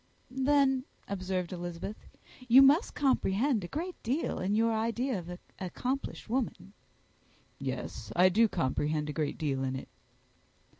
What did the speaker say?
"Then," observed Elizabeth, "you must comprehend a great deal in your idea of an accomplished woman." "Yes; I do comprehend a great deal in it."